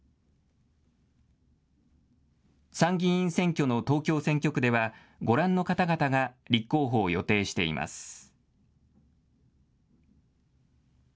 参議院選挙の東京選挙区ではご覧の方々が立候補を予定しています。